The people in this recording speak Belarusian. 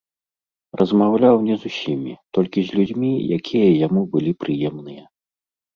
Размаўляў не з усімі, толькі з людзьмі, якія яму былі прыемныя.